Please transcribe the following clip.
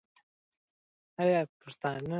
آیا پښتانه په عذاب سوي وو؟